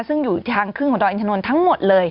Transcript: ซึ่งอยู่ทางครึ่งของดอยอินทนนท์ทั้งหมดเลย